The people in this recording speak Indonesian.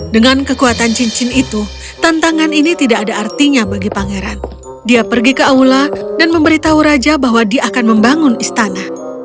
dengan kekuatan cincin itu tantangan ini tidak ada artinya bagi pangeran dia pergi ke aula dan memberitahu raja bahwa dia akan membangun istana